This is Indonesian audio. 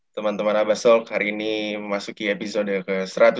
teman teman abasok hari ini memasuki episode ke satu ratus tiga puluh